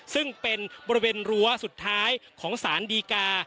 ซึ่งเป็นบริเวณรั้วสุดท้ายของสารดีกา